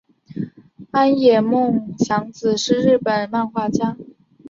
安野梦洋子是日本漫画家。